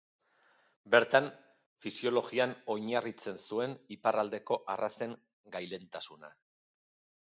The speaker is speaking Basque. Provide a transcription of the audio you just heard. Bertan fisiologian oinarritzen zuen iparraldeko arrazen gailentasuna.